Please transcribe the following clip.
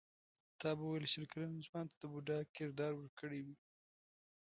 تا به ویل شل کلن ځوان ته د بوډا کردار ورکړی وي.